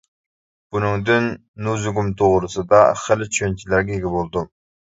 بۇنىڭدىن نۇزۇگۇم توغرىسىدا خېلى چۈشەنچىلەرگە ئىگە بولدۇم.